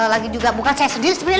lagi juga bukan saya sendiri sebenarnya